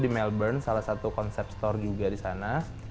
di melbourne salah satu konsep store juga di sana